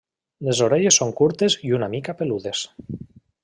Les orelles són curtes i una mica peludes.